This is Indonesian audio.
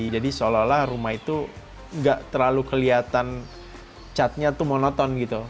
jadi seolah olah rumah itu nggak terlalu kelihatan catnya monoton gitu